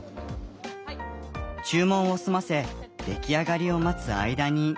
注文を済ませ出来上がりを待つ間に。